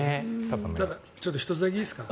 ちょっと１つだけいいですか？